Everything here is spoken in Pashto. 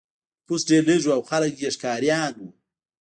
نفوس ډېر لږ و او خلک یې ښکاریان وو.